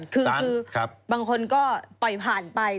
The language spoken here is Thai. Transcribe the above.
คือบางคนก็ไปผ่านไป